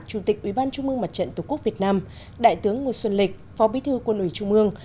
chủ tịch ủy ban trung ương mặt trận tổ quốc việt nam đại tướng nguyễn xuân lịch phó bí thư quân ủy trung ương